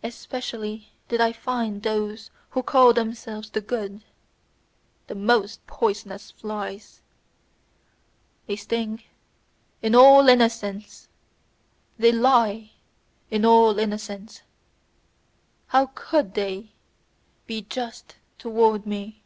Especially did I find those who call themselves "the good," the most poisonous flies; they sting in all innocence, they lie in all innocence; how COULD they be just towards me!